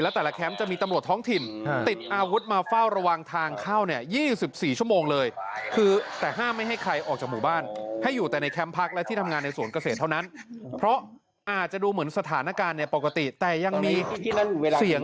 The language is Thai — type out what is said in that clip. แล้วแต่ละแคมป์จะมีตำรวจท้องถ่ีน